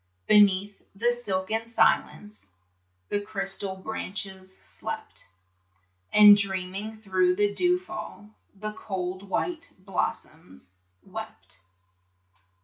Beneath the silken silence The crystal branches slept, And dreaming thro' the dew fall The cold white blossoms wept.